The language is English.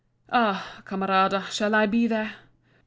Ah, Camarada, shall I be there?